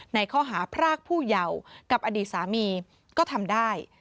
ในข้อหาพรากผู้เยาว์กับอดีตสามีก็ทำได้